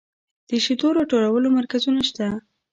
د شیدو راټولولو مرکزونه شته